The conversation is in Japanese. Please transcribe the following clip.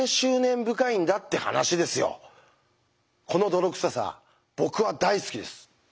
この泥臭さ僕は大好きです。